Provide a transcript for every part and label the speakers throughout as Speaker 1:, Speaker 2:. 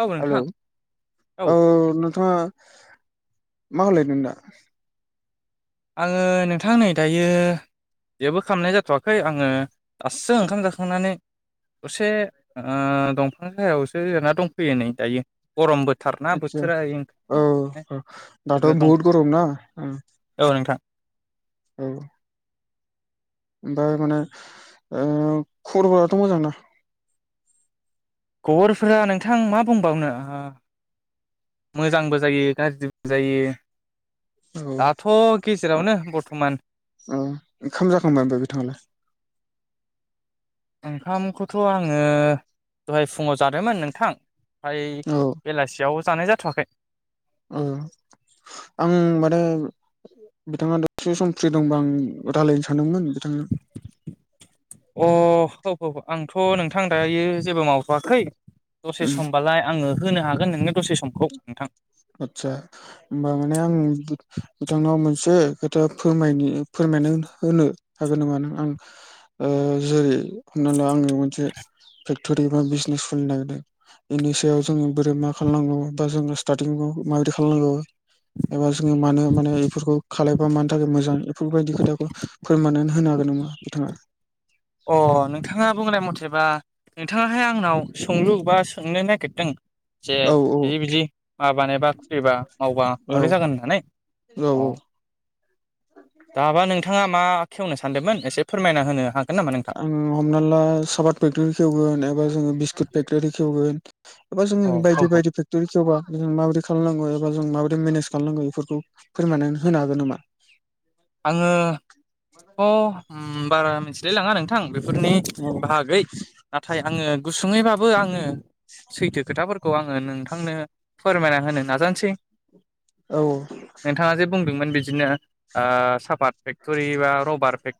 Speaker 1: औ
Speaker 2: हेलौ
Speaker 1: नोंथां
Speaker 2: औ नोंथां मा हलाय न दा
Speaker 1: आंङो नोंथां नै दायो जेबो खामनाय जाथ'वाखै आङो दासो ओंखाम जाखांनानै दसे ओ दंफां साहायावसो जना दंफैयो नै दायो गरम बोथोर
Speaker 2: आदसा औ औ हो दाथ'
Speaker 1: दं
Speaker 2: बहुद गरम ना ओ ।
Speaker 1: औ नोंथां ।
Speaker 2: औ ओमफाय माने ओ खबरफोराथ' मोजां ना ।
Speaker 1: खबरफोरा नोंथां मा बुंबावनो ओ मोजांबो जायो गाज्रिबो जायो।
Speaker 2: औ
Speaker 1: दाथ' गेजेरावनो बर्थमान
Speaker 2: ओ ओंखाम जाखांबाय बिथाङलाय?
Speaker 1: ओंखामखौथन' आङो दहाय फुङाव जादोंमोन नोंथां । ओमफाय
Speaker 2: औ
Speaker 1: बेलासियाव जानाय जाथवाखै ।
Speaker 2: औ आं माने बिथाङा दसे सम फ्रि दंबा आं रायजलायनो सानदोंमोन बिथांजों
Speaker 1: अ ह ह आंथ' नोंथां दायो जेबो मावथ'वाखै दसे समबालाय आङो होनो हागोन नोंनो दसे समखौ नोंथां
Speaker 2: आतसा होमबा माने आं बिथांनाव मोनसे खोथा फोरमायनि फोरमायना होनो हागोन नामा नों आं ओ जेरै नालाय आङो मोनसे फेक्टरि बा बिजनेस खुलिनो नागिरदों बेनि सायाव जोङो बोरै मा खालायनांगौ । जों स्टारतुिंखौ माब्रै खालायनांगौ एबा जों मानो म बे खालाय मानि थाखाय मोजां इफोरबायदि खोथाखौ फोरमनानै होनो हागोन नामा बिथाङा?
Speaker 1: अ नोंथाङा बुंनाय मथेबा नोंथाङाहाय आंनाव सोंलु बा सोंनो नागिरदों जे
Speaker 2: औ औ
Speaker 1: बिदि बिदि माबानाय बा खुलिबा मावबा
Speaker 2: औ
Speaker 1: माब्रै जागोन होननानै
Speaker 2: औ
Speaker 1: अ
Speaker 2: औ
Speaker 1: दाबा नोंथाङा मा खेवनो सानदोंमोन एसे फोरमायना होनो हा
Speaker 2: आं हमना ला साबाद पेकटरि खेवगोन एबा जोङो बिस्कुट पेकटरि खेवगोन । एबा
Speaker 1: अ
Speaker 2: जोङो
Speaker 1: औ
Speaker 2: बायदि
Speaker 1: औ
Speaker 2: बायदि फेक्टरि खेवबा जोङो माबोरै खालामनांगौ एबा जों माबादै मेनेज खालामनांगौ इफोरखौ फोरमनानै होनो हागोन नामा?
Speaker 1: आङोथ' ओम बारा मिथिलाय लाङा नोंथां बेफोरनि
Speaker 2: औ
Speaker 1: बाहागै नाथाय आङो गुस सुुंङैबाबो आङो सैथो खोथाफोरखौ आङो नोंथांनो फोरमायना होनो नाजानोसै
Speaker 2: औ
Speaker 1: नोंथाङा जे बुंदोंमोन बिदिनो ओ सापाद फेक्ट'रि बा रबार फे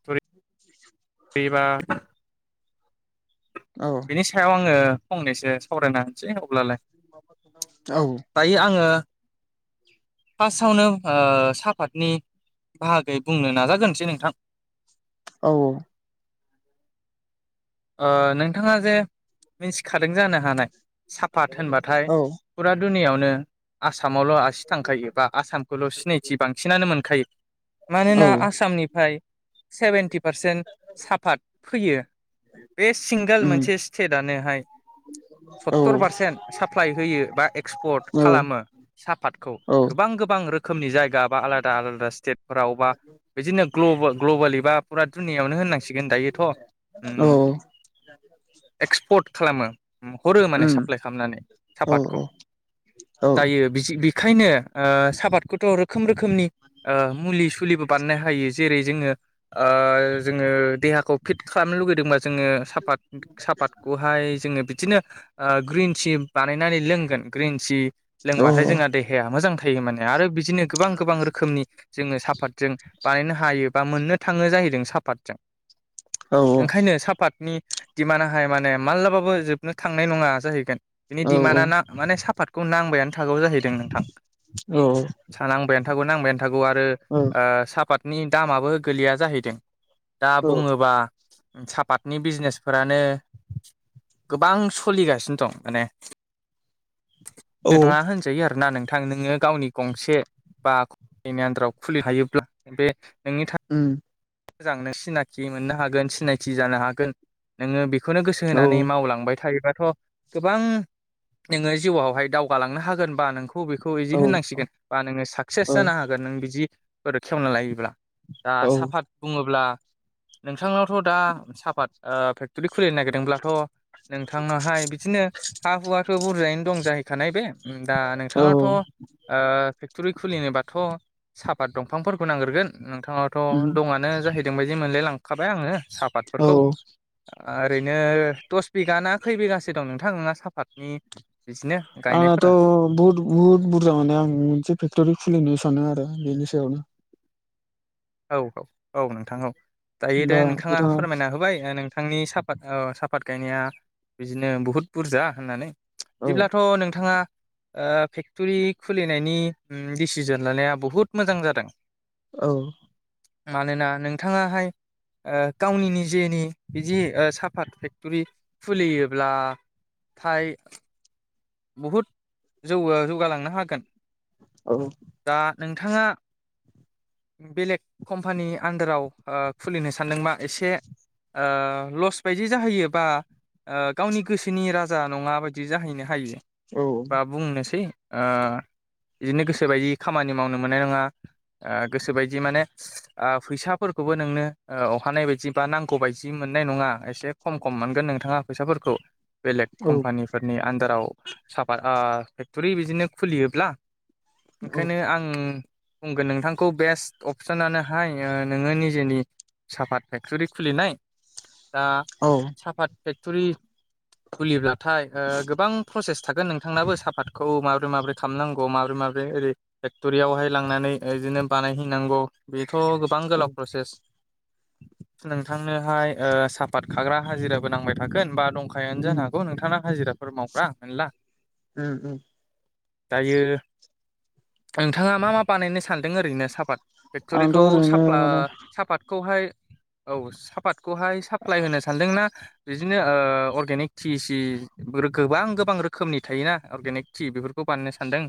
Speaker 1: बेबा
Speaker 2: औ
Speaker 1: बिनि सायाव आङो फंनैसो सावरायना होनसै अब्लालाय ।
Speaker 2: औ [inaudible]
Speaker 1: फार्स्टआवनो ओ सापातनि बाहागै बुंनो नाजागोनसै नोंथां
Speaker 2: औ औ
Speaker 1: ओ नोंथाङा जे मिथि खादों जानो हानाय साफात होनबाथाय
Speaker 2: औ
Speaker 1: फुरा दुनियावनो आसामावल' आसि थांखायो बा आसामखौल सिनायथि बांसिनानो मोनखायो । मानोना आसामनिफाय सेभेन्टि पारसेन्ट साफात फैयो । बे सिंगोल मोनसे स्टेटानोहाय
Speaker 2: औ
Speaker 1: सत्तर पारसेन्ट साप्लाइ होयो बा एक्सपर्ट
Speaker 2: औ औ
Speaker 1: खालामो सापातखौ
Speaker 2: औ
Speaker 1: गोबां गोबां गोबां रोखोमनि जायगा बा आलादा आलादा स्टेटफोराव बा बिदिनो ग्लबेलि बा फुरा दुनिया यावनो होननांसिगोन दायोथ' ।
Speaker 2: औ
Speaker 1: एक्सपर्ट खालामो हरो माने
Speaker 2: उम
Speaker 1: साप्लाइ खालामनानै
Speaker 2: औ
Speaker 1: सापतखौ
Speaker 2: औ
Speaker 1: दायो बिजि बे बेखायनो ओ साहाफादखौथ' रोखोम रोखोमनि ओ मुलि सुलिबो बानायनो हायो जेरै जोङो ओ जोङो देहाखौ फिट खालामनो लुुगै जोङो साफाद साफातखौहाय जोङो बिदिनो ग्रिन टि बानायनानै लोंगोन ग्रिन
Speaker 2: औ
Speaker 1: लोंबाथाय जोंना देहाया मोजां थायो माने आरो बिदिनो गोबां गोबां रोखोमनि जोङो साफातजों। बानायनो हायो बा मोननो थाङो जाहैदों सापातजों ।
Speaker 2: औ
Speaker 1: ओंखायनो साफातनि दिडमान्डआाहाय माने माब्लाबाबो जोबनो थांनाय नङा जाहैगोन बिनि
Speaker 2: औ
Speaker 1: डिमान्डआ ना माने साफातखौ नांबायानो जाहैदों नोंथां
Speaker 2: औ
Speaker 1: नांबायानो थागौ नांबायानो थागौ आरो सापात नि दामाबो गोलैया जाहैदों दा
Speaker 2: औ
Speaker 1: बुङोब्ला सापातनि बिजनेसफोरानो गोबां सोलिगासिनो दं माने नोंथाङा होनजायो आरोना नों थां नोङो गावनि गंसे बा नि आन्दाराव खुलि हायोब्ला बे
Speaker 2: उम।
Speaker 1: मोजांनो सिनाखि मोननो हागोन सिनायथि जानो हागोन नोङो बे बेखौनो गोसो
Speaker 2: औ
Speaker 1: होनानै मावलांबाय थायोबा थ गोबां नोङो जिउआवहाय दावगालांनो हागोनबा नोंखौ खौ बेखौ बिदि होननांसिगोन बा नोङो साक्सेस
Speaker 2: औ
Speaker 1: जानो हागोन नों बिदि खेवना लायोब्ला दा साफात अब्ला नोंथांनावथ दा साहापात ओ फेक्टरि खुलिनो नागिरदोंब्लाथ नोंथांनावहाय बिदिनो हा हुवाथ' बुरजायैनो दं जाहैखानाय बे दा
Speaker 2: औ
Speaker 1: नोंथांनावथ अ' फेक्टरि खुलिनोबाथ' सापात दंफांफोरखौ नांगोरगोन नोंथाङावाथ'
Speaker 2: उम
Speaker 1: दंआनो जाहैदों बायदि मोनलाय लांखाबाय आङो।
Speaker 2: औ
Speaker 1: साहापातफोरखौ। ओरैनो दस बिगाना खै बिगासो दं नोंथां नङा साफातनि
Speaker 2: आंनाथ' बहुद बुहुद बुरजा माने आं मोनसे फेक्ट'रि खुलिनो सानो आरो । बेनि सायावनो
Speaker 1: औ औ औ नोंथां औ दायो दे
Speaker 2: दा
Speaker 1: नोंथाङा
Speaker 2: बिथाङा
Speaker 1: फोरमायना होबाय ओ नो नोंथांनि साफात ओ साफात गायनाया बिदिनो बुहुत बुरजा होननानै।
Speaker 2: औ
Speaker 1: बिदिब्लाथ' नोंथाङा ओ फेक्टरि खुलिनायनि डिसिजन लानाया बहुद मोजां जादों ।
Speaker 2: औ।
Speaker 1: मानोना नोंथाङाहाय ओ गावनि निजेनि बिदि ओ साफात फेक्टरि खुलियोब्ला। थाय बहुद जौ जौगालांनो हागोन।
Speaker 2: औ।
Speaker 1: दा नोंथाङा। बेलेग कम्पानि आन्दाराव ओ खुलिनो सानदोंबा एसे ओ लस बायदि जाहैयो बा ओ गावनि गोसोनि राजा नङा बायदि जाहैनो हायो
Speaker 2: औ
Speaker 1: बा बुंनोसै ओ बिदिनो गोसोबायदि खामानि मावनो मोननाय नङा । ओ गोसोबायदि माने फैसाफोरखौबो नोंनो अहानाय बायदि बा नांगौ बदि मोन मोननाय नङा एसे खम खम मोनगोन नोंथाङा फैसाफोरखौ। बेलेग
Speaker 2: औ
Speaker 1: कम्पानिफोरनि आन्दाराव साफा ओ फेक्टरि बिदिनो खुलियोब्ला
Speaker 2: औ
Speaker 1: ओंखायनो आं बुंगोन नोंथांखौ बेस्ट अपसनानोहाय ओ नोङो निजेनि सापात फेक्टरि खुलिनाय दा
Speaker 2: औ
Speaker 1: सापात फेक्टरि खुलिब्लाथाय ओ गोबां प्रसेस थागोन नोंथांनाबो साफातखौ माबोरै माबोरै खालामनांगौ माबोरै माबोरै ओरै फेक्ट'रियावहाय लांनानै ओ बिदिनो बानायहैनांगौ बे थ' गोबां
Speaker 2: उम
Speaker 1: गोलाव प्रसेस नोंथांनोहाय ओ सा बादखाग्रा हाजिराबो नांबाय थागोन बा दंखायानो जानो हागौ नोंथाङा हाजिराफोर माव
Speaker 2: उम उम
Speaker 1: दायो नोंथाङा मा मा बानायनो सानदों ओरैनो सापात
Speaker 2: आंथ'
Speaker 1: फेक्ट'रिखौ
Speaker 2: ओरैनो
Speaker 1: साप्ला
Speaker 2: माने
Speaker 1: सापातखौहाय औ सापात खौहाय साप्लााय होनो सानदोंनाा बिदिनो अगेनिक टि सि गोबां गोबां रोखोमनि थायोना अर्गेनिक टि बेफोरखौ बाननो सानदों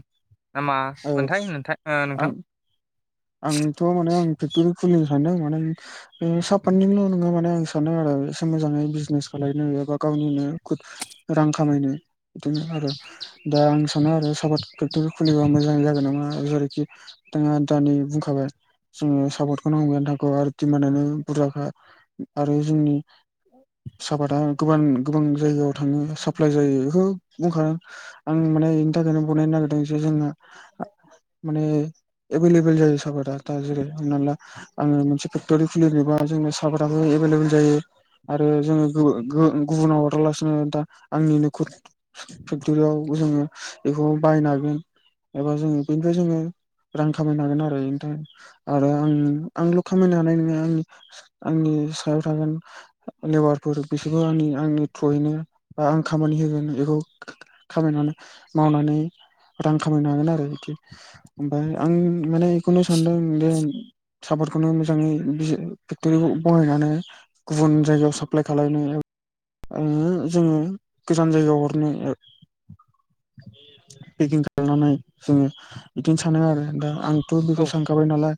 Speaker 1: मा
Speaker 2: औ
Speaker 1: मोनथाय थाय नोंथां
Speaker 2: आं आंथ' माने आं फेक्ट'रि खुलिनो सानदों माने साफाटनिल' नङा माने आं सानो आरो एसे मोजाङै बिजनेस खालायनो एबा गावनिनो रां खामायनो बिदिनो आरो दा आं सानो आरो साफात फेक्टरी खुलिबा मोजां जागोन नामा जेरैखि बिथाङा दानै बुंखाबाय जोङो सापर्टखौ नांगौथांखौ आरो दिमानआनो बुरजाखा आरो जोंनि सापादा गो गोबां जायगायाव थाङो साप्लाय जायो बेखौ बुंखां आं माने नि थाखायनो बुंनो नागिरदों जे जोंना माने एभेलेबेल जायो साारा दा जेरै हमना ला आङो मोनसे फेक्ट'रि खुलिनोबा जोंनो सापातबो एबा [unintelligible] जायो आरो जोङो गुबुनाव हरालासिनो दा आंनि नखर फेक्टरियाव जोङो बेखौ बायनो हागोन एबा जोङो बेनिफ्राय जोङो रां खामायनो हागोन आरो बेनि थाखाय आरो आं आंल' खामायनो हानाय नङा आंनि आंनि सायाव थागोन लेबारफोर बिसोरबो आं आंनि थ्रयैनो बा आं खामानि होगोन मावनानै रां खामायनो हागोन आरो बि ओमफ्राय आं माने बेखौनो सानदों जे साफादखौनो मोजाङै फेक्ट'रि बहायनानै गुबुन जायगायाव साप्लाय खालामलनो जोङो गोजान जायगायाव हरनो पेकिं खालामनानै जोङो बिदिनो सानो आरो दा आंथ' बेखौ
Speaker 1: औ
Speaker 2: सानखाबाय नालाय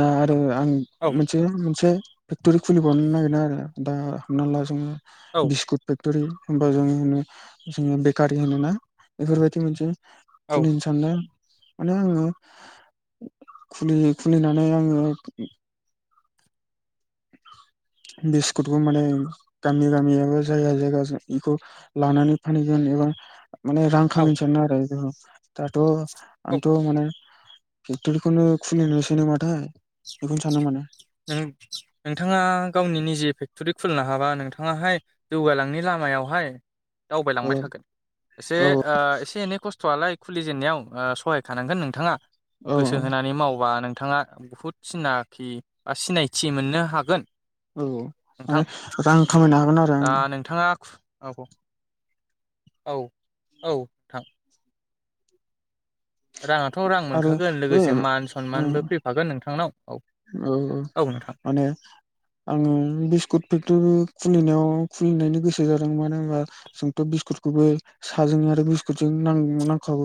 Speaker 2: दा आरो आं
Speaker 1: औ
Speaker 2: मोनसे मोनसे फेक्टरि खुलिबावनो नागिरदों आरो दा हमना ला जोङो
Speaker 1: औ
Speaker 2: बिस्कुट फेक्ट'रि हबा जों जोङो बेकारि होनोना बेफोरबायदि मोनसे
Speaker 1: औ
Speaker 2: [unintelligible] मानो आङो खुलि खुलिनानै आङो [inaudible] बिस्कुटखौ माने गामि गामियाबो जायगा जायगा बेखौ लानानै फानहैगोन माने रां
Speaker 1: औ
Speaker 2: खामिस आरो दाथ'
Speaker 1: औ
Speaker 2: आंथ' माने पेक्टरिखौनो खुलिनोसै नामाथाय सानो माने
Speaker 1: नोंथाङा गावनि निजे फेक्टरि खुलिनो हाबा नोंथाङाहाय जौगालांनायनि लामा लामायावहाय दावबायलांबाय
Speaker 2: औ
Speaker 1: थागोन एसे
Speaker 2: औ
Speaker 1: ओ एसे एनै खस्थ'आलाय खुलि जेननायाव सहायखानांगोन नोंथाङा
Speaker 2: औ
Speaker 1: गोसो होनानै मावबा नों नोंथाङा बुहुत सिनाखि बा सिनायथि मोननो हागोन
Speaker 2: औ
Speaker 1: नोंथां
Speaker 2: माने रां खामायनो हागोन आरो
Speaker 1: दा
Speaker 2: आङो
Speaker 1: नोंथाङा खु- औ औ औ थां राङाथ' रां
Speaker 2: आरो
Speaker 1: मोनखागोन
Speaker 2: बे
Speaker 1: लोगोसे मान
Speaker 2: उम
Speaker 1: सनमानबो फैफागोन नोंथांनाव औ
Speaker 2: औ माने आङो बिस्कुट फेक्टरि खुलिनायाव खुलिनायनि गोसो जादों मानो होनबा जोंथ' बिस्कुटखौबो साहाजोंनो आरो बिस्कुटजों नां औ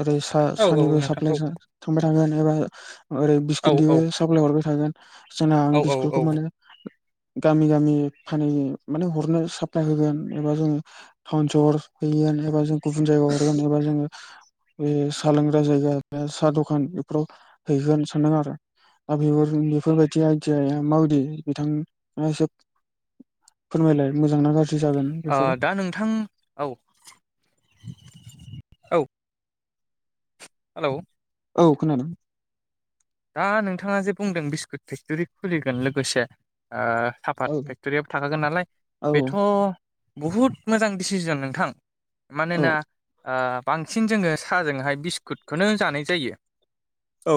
Speaker 2: ओरै सा
Speaker 1: औ
Speaker 2: सानिबो
Speaker 1: औ नोंथां
Speaker 2: साप्लइ
Speaker 1: औ
Speaker 2: थांबाय थागोन एबा ओरै
Speaker 1: औ औ
Speaker 2: बिस्कुबो थागोन जोंना
Speaker 1: औ
Speaker 2: आं
Speaker 1: औ
Speaker 2: बिस्कुटखौ
Speaker 1: औ
Speaker 2: मोनो गामि गामि फानि माने हरनो साप्लाय होगोन एबा जोङो टाउन सहर बि एबा जों गुबुन जायगायाव हरगोन एबा जोङो बे साहा लोंग्रा जायगा साहा दखान बेफोराव हैगोन सानदों आरो [unintelligible] बेफोर बेफोरबायदि आइदियाया माबादि बिथाङा फोरमायलाय मोजां ना गाज्रि जागोन
Speaker 1: ओ
Speaker 2: बेफोरो
Speaker 1: दा नोंथां औ औ हेलौ
Speaker 2: औ खोनादों
Speaker 1: दा नोंथाङा जे बुंदों बिस्कुट फेक्ट'रि खुलिगोन लोगोसे ओ साफात
Speaker 2: औ
Speaker 1: फेक्ट'रियाबो थाखागोन नालाय
Speaker 2: औ
Speaker 1: बेथ' बहुद मोजां डसिजन नोंथां
Speaker 2: औ
Speaker 1: मानोना बांसिन जोङो साहाजोंहाय बिस्कुटखौनो जानाय जायो
Speaker 2: औ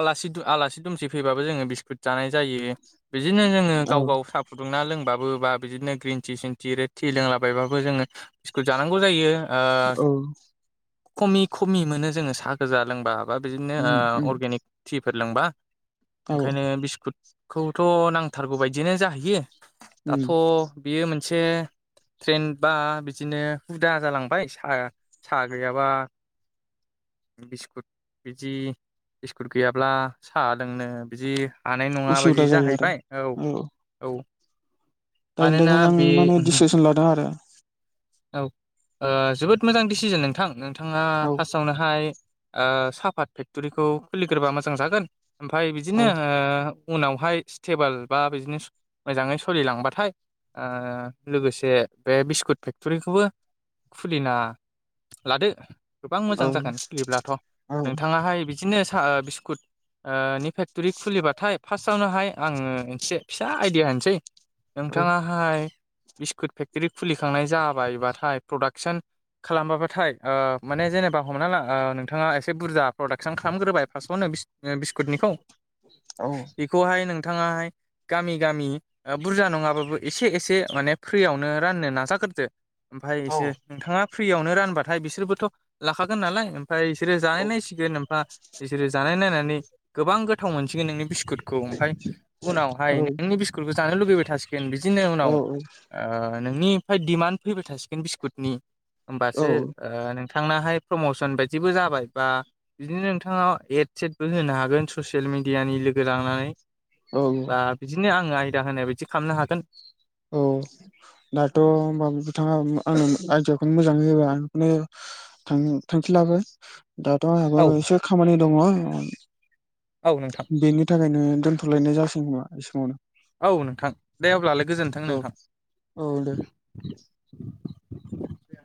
Speaker 1: आला आलासि दुमसि फैबाबो जोङो बिस्कुट जानाय जायो बिदिनो जोङो
Speaker 2: औ
Speaker 1: गाव गाव साहा फुदुंना लोङो बाबो बा बिदिनो ग्रिन टि सिन टि रेड टि लोंलाबायबाबो जोङो स्कुल जानांगौ जायो ओ
Speaker 2: औ
Speaker 1: खमि खमि मोनो जोङो साहा गोजा लोंबा माबा बिदिनो
Speaker 2: उम उम
Speaker 1: ओ अरगेनिक टिफोर लोंबा
Speaker 2: औ
Speaker 1: ओंखायनो बिस्कुट खौथ' नांथारगौ बदियनो जाहैयो
Speaker 2: उम
Speaker 1: दाथ' बेयो मोनसे ट्रेन बा बिदिनो हुदा जालांबाय स साहा गैयाबा बिस्कुट बिदि बिस्कुट गैयाब्ला साहा लोंनो बिदि हानाय नङा
Speaker 2: उसुबिदा
Speaker 1: बायदि
Speaker 2: जायो आरो
Speaker 1: जाहैबाय औ औ
Speaker 2: दानि
Speaker 1: मानोना
Speaker 2: थाखायनो आं माने
Speaker 1: बे
Speaker 2: डिसिसन लादों आरो
Speaker 1: औ जोबोद मोजां डिसिजन नोंथां नोंथाङा
Speaker 2: औ
Speaker 1: फार्स्टआवनोहाय साहापात फेक्टरिखौ खुलिग्रोबा मोजां जागोन ओमफ्राय
Speaker 2: औ
Speaker 1: बिदिनो उनावहाय स्टेबोल बा बिदिनोस मोजाङै सोलिलांबाथाय लोगोसे बे बिस्कुट फेक्ट'रिखौबो खुलिना लादो गोबां
Speaker 2: औ
Speaker 1: मोजां जागोन खुलिब्लाथ'
Speaker 2: औ
Speaker 1: नोंथाङाहाय बिदिनो सा बिस्कुट फेक्ट'रि खुलिबाथाय फार्स्टआवनोहाय आङो एसे फिसा आइडिया होनसै
Speaker 2: औ
Speaker 1: नोंथाङाहाय बिस्कुट फेक्टरि खुलिखांनाय जाबायबाथाय प्रडाक्सन खालामबाबथाय माने जेनेबा हमना ला नोंथाङा एसे बुरजा प्रडाक्सन खालामग्रोबाय फार्स्टआवनो बिस्कुट निखौ
Speaker 2: औ
Speaker 1: बेखौहाय नोंथाङाहाय गामि गामि बुरजा नङाबाबो एसे एसे माने फ्रियावनो राननो न जाग्रोदो ओमफ्राय
Speaker 2: औ
Speaker 1: एसे नोंथाङा फ्रियावनो रानबाथाय बिसोरबोथ' लाखागोन नालाय ओमफफ्राय बिसोरो जानाय नायसिगोन ओफा बिसोर जानाय नायनानै गोबां गोथाव मोनसिगोन नोंनि बिस्कुटखौ ओमफ्राय उनावहाय
Speaker 2: औ
Speaker 1: नोंनि बिस्कुटखौ जानो लुुबैबाय थासिगोन सिकेन बिदिनो उनाव नोंनि फाय दिडमान्ड फैबाय थासिगोन बिस्कुटनि होमबासो नों नोंथांनोहाय प्रमसन बायदिबो जाबाय बा बिदिनो नोंथाङाव एड सेदबो होनो हागोन ससियेल मिडियानि लोगो लांनानै
Speaker 2: औ
Speaker 1: बा बिदिनो आङो आयदा होनाय बायदि खालामनो हागोन
Speaker 2: औ दाथ' होनब बिथाङा आंनो आइदियाखौनो मोजाङै होबाय आनो थांखि लाबो दाथ' आंहाबो
Speaker 1: औ
Speaker 2: एसे खामानि दङ
Speaker 1: औ नोंथां।
Speaker 2: बेनि थाखायनो दोनथ'लायनाय जासिगन नामा इ समावनो
Speaker 1: औ नोंथां दे अब्लालाय गोजोनथों
Speaker 2: औ
Speaker 1: नोंथां
Speaker 2: औ बे